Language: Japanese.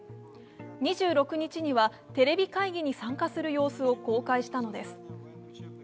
２６日にはテレビ会議に参加する様子を公開したのです。